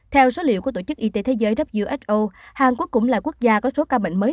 theo số liệu của tổ chức y tế thế giới who hàn quốc cũng là quốc gia có số ca bệnh mới